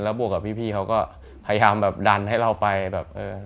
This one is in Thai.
บวกกับพี่เขาก็พยายามแบบดันให้เราไปแบบเออ